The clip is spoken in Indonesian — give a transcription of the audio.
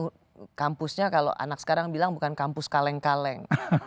itu kampusnya kalau anak sekarang bilang bukan kampus kaleng kaleng